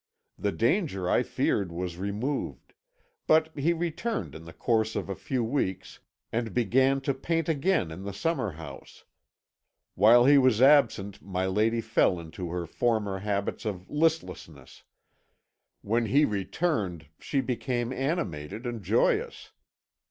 The danger I feared was removed; but he returned in the course of a few weeks, and began to paint again in the summer house. While he was absent my lady fell into her former habits of listlessness; when he returned she became animated and joyous.